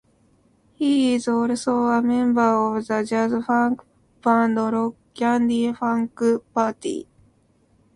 He is also a member of the jazz-funk band Rock Candy Funk Party.